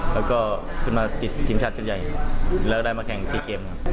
คุณเข้ามาขึ้นมาติดชิมชาติชนใหญ่แล้วก็ได้มาแข่งสี่เกมครับ